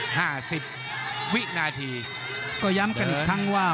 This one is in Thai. ห้าสิบวินาทีก็ย้ำกันอีกครั้งว่า